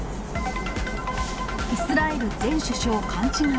イスラエル前首相勘違い。